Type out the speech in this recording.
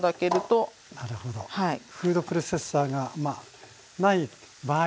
フードプロセッサーがない場合は。